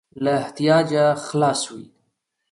له احتیاجه خلاص وي.